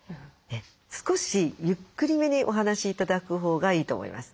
少しゆっくりめにお話し頂くほうがいいと思います。